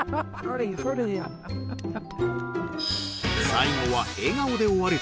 最後は笑顔で終わる